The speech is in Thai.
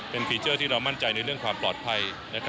เป็นฟีเจอร์ที่เรามั่นใจในเรื่องความปลอดภัย